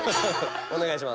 おねがいします。